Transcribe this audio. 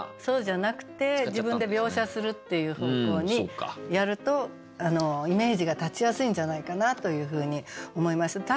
そうじゃなくて自分で描写するっていう方向にやるとイメージが立ちやすいんじゃないかなというふうに思います。